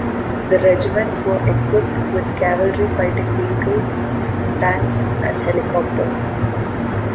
The regiments were equipped with Cavalry Fighting Vehicles, tanks and helicopters.